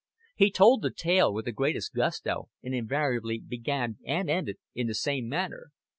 He told the tale with the greatest gusto, and invariably began and ended in the same manner.